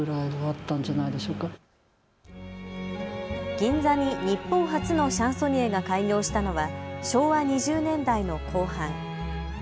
銀座に日本初のシャンソニエが開業したのは昭和２０年代の後半。